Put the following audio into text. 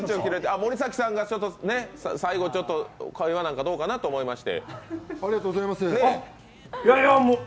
森崎さんがちょっと、最後会話なんかどうかなと思いまして。